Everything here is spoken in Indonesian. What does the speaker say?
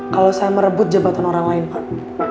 kalau saya merebut jabatan orang lain pak